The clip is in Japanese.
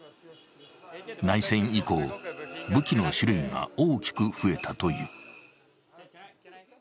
内戦以降、武器の種類が大きく増えたという。